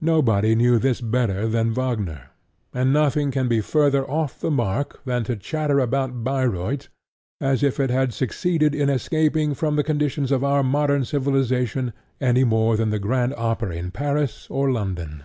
Nobody knew this better than Wagner; and nothing can be further off the mark than to chatter about Bayreuth as if it had succeeded in escaping from the conditions of our modern civilization any more than the Grand Opera in Paris or London.